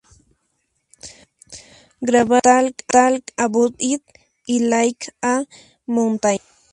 Grabaron "Talk About It" y "Like A Mountain".